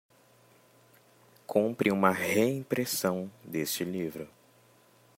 Compre uma reimpressão deste livro